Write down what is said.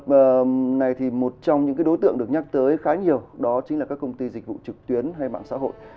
cái này thì một trong những đối tượng được nhắc tới khá nhiều đó chính là các công ty dịch vụ trực tuyến hay mạng xã hội